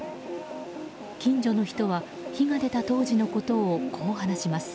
近所の人は火が出た当時のことをこう話します。